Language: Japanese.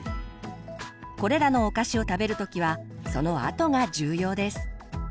これらのお菓子を食べる時はそのあとが重要です。